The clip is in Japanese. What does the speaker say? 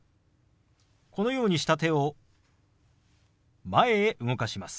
このようにした手を前へ動かします。